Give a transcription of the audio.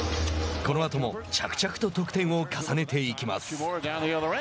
このあとも着々と得点を重ねていきます。